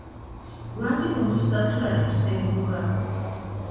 Lwaki temutusasula netusenguka?